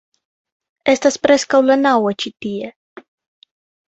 Estas preskaŭ la naŭa ĉi tie